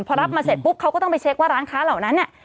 พอรับมาเสร็จปุ๊บเขาก็ต้องไปเช็คว่าร้านค้าเหล่านั้นเนี่ย